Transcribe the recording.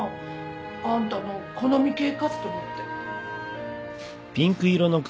あんたの好み系かと思って。